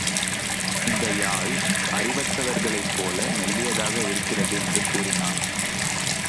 இந்த யாழ் அறிவற்றவர்களைப்போல மெல்லிதாக இருக்கிறது என்று கூறினான்.